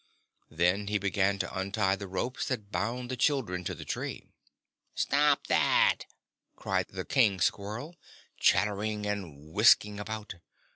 Then he began to untie the ropes that bound the children to the tree. "Stop that!" cried the King Squirrel, chattering and whisking about.